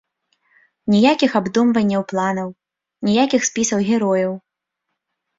Ніякіх абдумванняў планаў, ніякіх спісаў герояў.